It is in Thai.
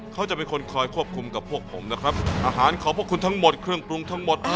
เขาจะเป็นคนคอยควบคุมกับพวกผมนะครับอาหารของพวกคุณทั้งหมดเครื่องปรุงทั้งหมด